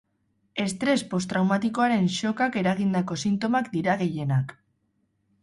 Estres postraumatikoaren shockak eragindako sintomak dira gehienak.